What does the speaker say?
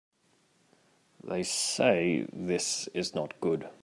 They say this is not good.